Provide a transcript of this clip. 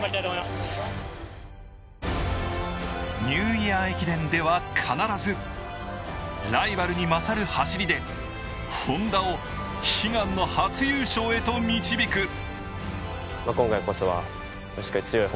ニューイヤー駅伝では必ずライバルに勝る走りでＨｏｎｄａを悲願の初優勝へと導く。